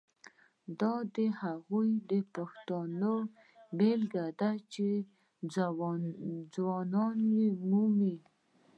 دا د هغو پوښتنو بیلګې دي چې ځوابونه یې مومو.